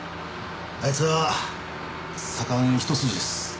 あいつは左官一筋です。